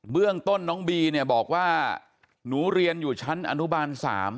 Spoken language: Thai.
เรื่องต้นน้องบีเนี่ยบอกว่าหนูเรียนอยู่ชั้นอนุบาล๓